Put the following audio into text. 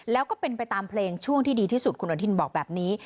แล้วก็เป็นไปตามเพลงช่วงที่ดีที่สุดคุณอนุทินบอกแบบนี้